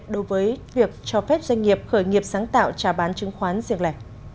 đối với việc cho phép doanh nghiệp khởi nghiệp sáng tạo trả bán chứng khoán riêng lẻ